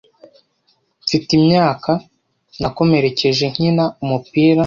Mfite imyaka , nakomerekeje nkina umupira.